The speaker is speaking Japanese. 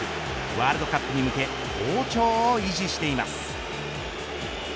ワールドカップに向け好調を維持しています。